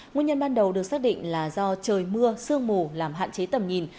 nguyên nhân ban đầu được xác định là do trời mưa sương mù làm hạn chế tầm nhìn